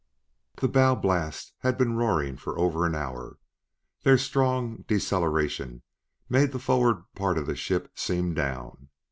The bow blast had been roaring for over an hour; their strong deceleration made the forward part of the ship seem "down."